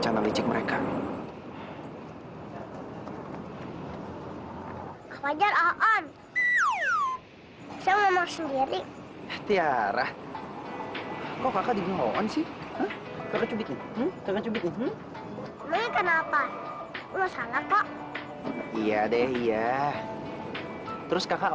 kalo keluarga kamu sudah tau